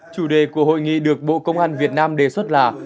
chủ đề của hội nghị được bộ công an việt nam đề xuất là